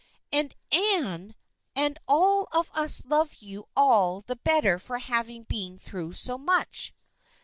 And Anne and all of us love you all the better for having been through so much."